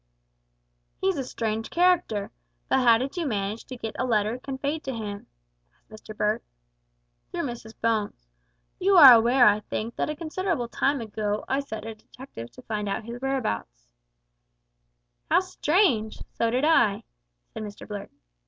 "He's a strange character; but how did you manage to get a letter conveyed to him?" asked Mr Blurt. "Through Mrs Bones. You are aware, I think, that a considerable time ago I set a detective to find out his whereabouts " "How strange! So did I," said Mr Blurt.